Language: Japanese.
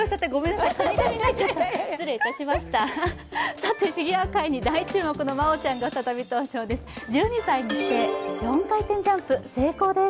さてフィギュア界に大注目のまおちゃんが再び登場です。